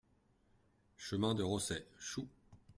Chemin de Rosset, Choux